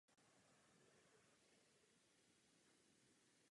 Hlavním rysem interpretace kvantové mechaniky je pravděpodobnostní popis.